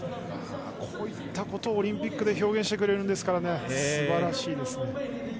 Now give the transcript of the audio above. こういったことをオリンピックで表現してくれるんですからすばらしいですね。